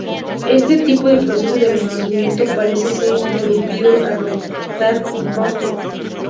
Este tipo de proceso de reconocimiento parece ser interrumpido al rotar un rostro.